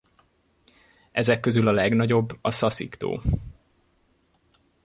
Ezek közül a legnagyobb a Szaszik-tó.